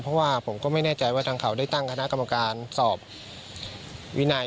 เพราะว่าผมก็ไม่แน่ใจว่าทางเขาได้ตั้งคณะกรรมการสอบวินัย